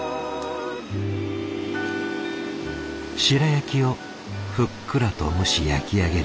白焼きをふっくらと蒸し焼き上げる